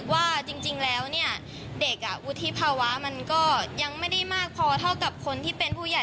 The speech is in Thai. ว่าจริงแล้วเนี่ยเด็กวุฒิภาวะมันก็ยังไม่ได้มากพอเท่ากับคนที่เป็นผู้ใหญ่